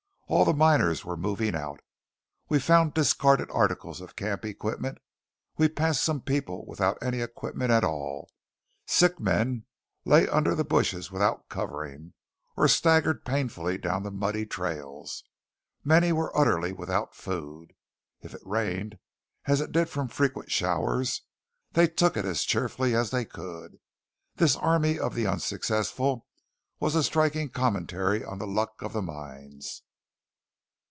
All the miners were moving out. We found discarded articles of camp equipment; we passed some people without any equipment at all. Sick men lay under bushes without covering, or staggered painfully down the muddy trails. Many were utterly without food. If it rained, as it did from frequent showers, they took it as cheerfully as they could. This army of the unsuccessful was a striking commentary on the luck of the mines.